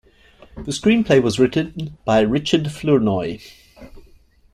The screenplay was written by Richard Flournoy.